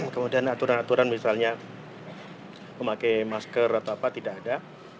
kemudian aturan aturan misalnya memakai masker tidak ada